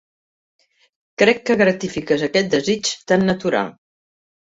Crec que gratifiques aquest desig tan natural.